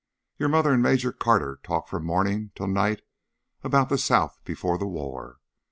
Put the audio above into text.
Your mother and Major Carter talk from morning till night about the South before the War.